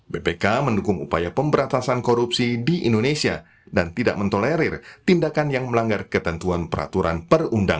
bpk mendukung upaya pemberantasan korupsi di indonesia dan tidak mentolerir tindakan yang melanggar ketentuan peraturan perundangan